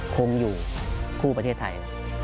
คงอยู่คู่ประเทศไทย